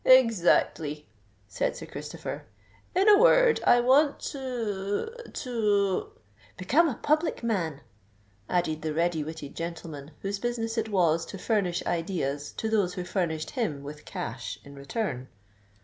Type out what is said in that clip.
"Exactly," said Sir Christopher: "in a word, I want to—to——" "Become a public man," added the ready witted gentleman, whose business it was to furnish ideas to those who furnished him with cash in return.